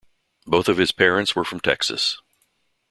Both of his parents were from Texas.